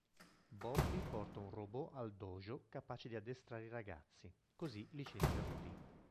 Bobby porta un robot al dojo capace di addestrare i ragazzi, così licenzia Rudy.